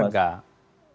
dan juga keluarga